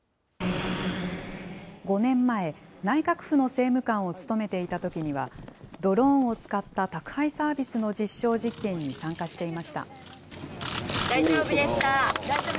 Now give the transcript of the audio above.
５年前、内閣府の政務官を務めていたときには、ドローンを使った宅配サービスの実証実験に参加していました。